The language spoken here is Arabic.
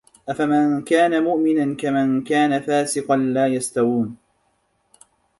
أَفَمَن كانَ مُؤمِنًا كَمَن كانَ فاسِقًا لا يَستَوونَ